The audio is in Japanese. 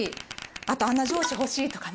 あと「あんな上司ほしい」とかね。